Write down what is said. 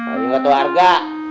ini gak tau harga